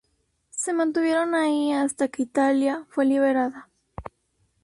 Se mantuvieron ahí hasta que Italia fue liberada.